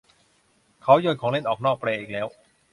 เขาโยนของเล่นออกนอกเปลอีกแล้ว